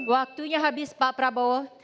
waktunya habis pak prabowo